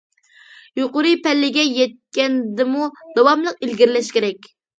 يۇقىرى پەللىگە يەتكەندىمۇ داۋاملىق ئىلگىرىلەش كېرەك.